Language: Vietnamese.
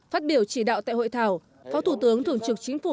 phát biểu chỉ đạo tại hội thảo phó thủ tướng thường trực chính phủ